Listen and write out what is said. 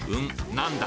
何だ！？